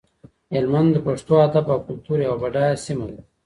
هلمند د پښتو ادب او کلتور یوه بډایه سیمه ده.